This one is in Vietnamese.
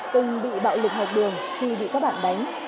từng bị bạo lực học đường thì bị các bạn đánh